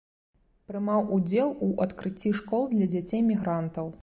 Прымаў удзел у адкрыцці школ для дзяцей мігрантаў.